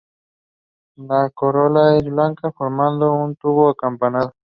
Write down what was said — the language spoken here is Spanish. La corola es blanca, formando un tubo acampanado.